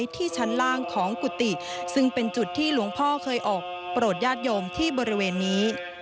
ที่ชั้นล่างของกุฏิซึ่งเป็นจุดที่หลวงพ่อเคยออกโปรดญาติโยมที่บริเวณนี้